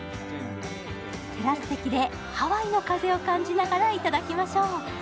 テラス席でハワイの風を感じながらいただきましょう。